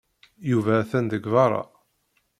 Yuba atan deg beṛṛa.